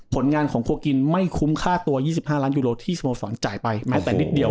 ผลงานของโคกินไม่คุ้มค่าตัว๒๕ล้านยูโรที่สโมสรจ่ายไปแม้แต่นิดเดียว